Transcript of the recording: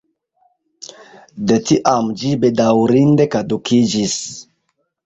De tiam ĝi bedaŭrinde kadukiĝis.